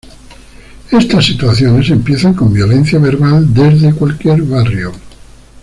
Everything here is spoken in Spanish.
Estas situaciones empiezan con violencia verbal desde cualquier barrio.